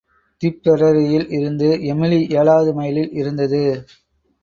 திப்பெரரியில் இருந்து எமிலி ஏழாவது மைலில் இருந்தது.